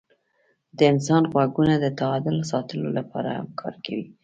د انسان غوږونه د تعادل ساتلو لپاره هم کار کوي.